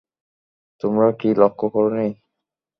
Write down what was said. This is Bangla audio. তোমরা কি লক্ষ্য করনি?